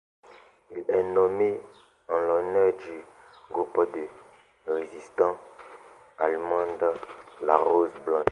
Il est nommé en l'honneur du groupe de résistants allemands La Rose blanche.